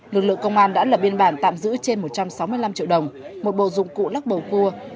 lực lượng công an đã lập biên bản tạm giữ trên một trăm sáu mươi năm triệu đồng một bộ dụng cụ lắc bầu cua